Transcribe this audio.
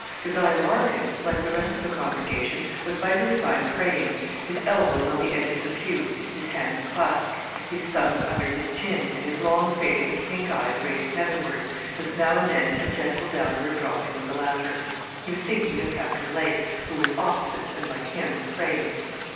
Jos. Larkin, like the rest of the congregation, was by this time praying, his elbows on the edge of the pew, his hands clasped, his thumbs under his chin, and his long face and pink eyes raised heavenward, with now and then a gentle downward dropping of the latter. He was thinking of Captain Lake, who was opposite, and, like him, praying.